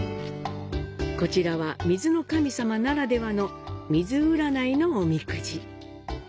こちらは水の神様ならではの水占いのおみくじ。